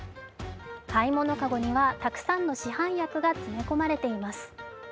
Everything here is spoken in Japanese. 買い物かごにはたくさんの市販薬が詰め込まれています。